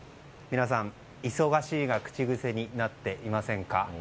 皆さん、忙しいが口癖になっていませんか。